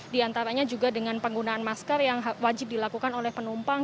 di antaranya juga dengan penggunaan masker yang wajib dilakukan oleh penumpang